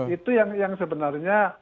itu yang sebenarnya